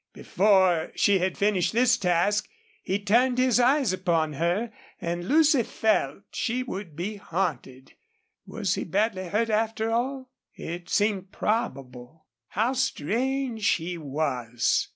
Before she had finished this task he turned his eyes upon her. And Lucy felt she would be haunted. Was he badly hurt, after all? It seemed probable. How strange he was!